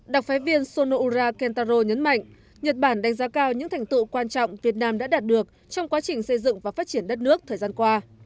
đặc phái viên sonora kentaro nhấn mạnh nhật bản đánh giá cao những thành tựu quan trọng việt nam đã đạt được trong quá trình xây dựng và phát triển đất nước thời gian qua